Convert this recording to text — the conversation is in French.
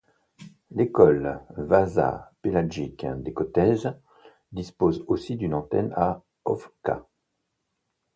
L'école Vasa Pelagić de Kotež dispose aussi d'une antenne à Ovča.